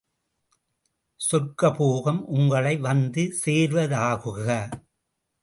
சொர்க்கபோகம் உங்களை வந்து சேர்வதாகுக!